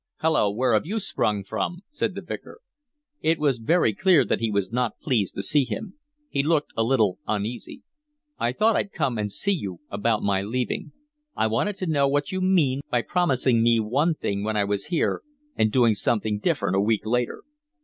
"Hulloa, where have you sprung from?" said the Vicar. It was very clear that he was not pleased to see him. He looked a little uneasy. "I thought I'd come and see you about my leaving. I want to know what you mean by promising me one thing when I was here, and doing something different a week after."